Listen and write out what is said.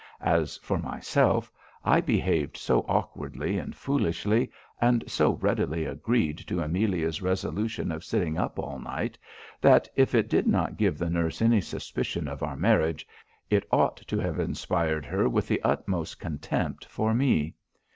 As for myself, I behaved so awkwardly and foolishly, and so readily agreed to Amelia's resolution of sitting up all night, that, if it did not give the nurse any suspicion of our marriage, it ought to have inspired her with the utmost contempt for me.